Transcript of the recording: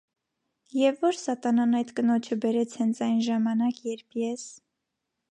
- Եվ ո՞ր սատանան այդ կնոջը բերեց հենց այն ժամանակ, երբ ես…